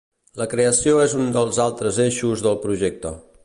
La creació és un dels altres eixos del projecte.